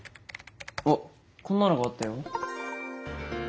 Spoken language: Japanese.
あっこんなのがあったよ。